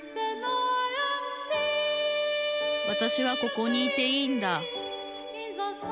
わたしはここにいていいんだ